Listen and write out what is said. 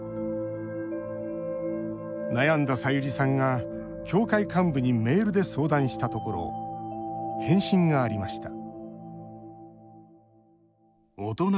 悩んださゆりさんが、教会幹部にメールで相談したところ返信がありました